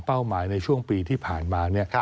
หมายในช่วงปีที่ผ่านมาเนี่ย